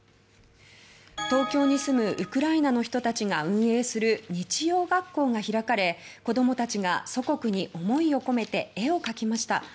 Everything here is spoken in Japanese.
東京に住むウクライナの人たちが運営する日曜学校が開かれ子どもたちが祖国に思いを込めて絵を描きました。